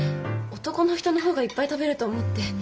男の人の方がいっぱい食べると思って。